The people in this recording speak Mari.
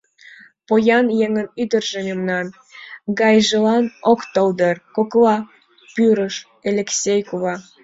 — Поян еҥын ӱдыржӧ мемнан гайжылан ок тол дыр, — коклаш пурыш Элексей кува.